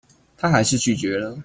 她還是拒絕了